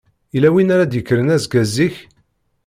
Yella win ara d-yekkren azekka zik?